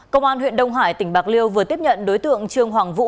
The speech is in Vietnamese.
công an huyện đông hải tỉnh bạc liêu vừa tiếp nhận đối tượng trương hoàng vũ